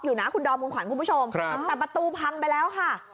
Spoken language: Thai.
อยู่นะคุณดอมคุณขวัญคุณผู้ชมครับแต่ประตูพังไปแล้วค่ะ